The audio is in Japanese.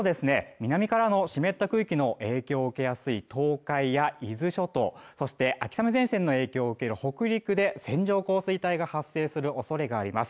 南からの湿った空気の影響を受けやすい東海や伊豆諸島そして秋雨前線の影響を受ける北陸で線状降水帯が発生する恐れがあります